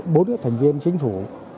bốn các thành viên chính phủ